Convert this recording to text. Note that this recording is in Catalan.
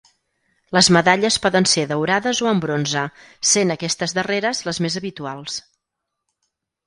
Les medalles poden ser daurades o en bronze, sent aquestes darreres les més habituals.